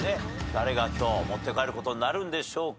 誰が今日持って帰ることになるんでしょうか。